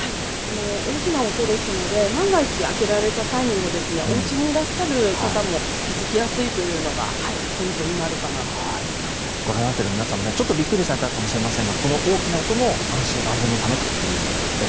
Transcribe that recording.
大きな音ですので、万が一、開けられた際にも、おうちにいらっしゃる方も気付きやすいというのがポイントになるご覧になっている皆さんも、ちょっとびっくりされたかもしれませんが、この大きな音も安心・安全のためということです。